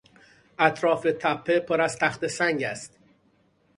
اطراف تپه پر از تخته سنگ است.